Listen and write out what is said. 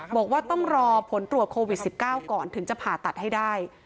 บอกว่าต้องรอผลตรวจโควิด๑๙ก่อนถึงจะผ่าตัดให้ได้